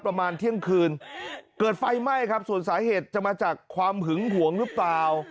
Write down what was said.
ประมาณเที่ยงคืนเกิดไฟไหม้ครับส่วนสาเหตุจะมาจากความหึงหวงหรือเปล่า